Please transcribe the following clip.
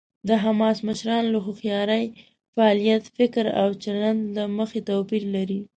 د حماس مشران له هوښیارۍ، فعالیت، فکر او چلند له مخې توپیر لري.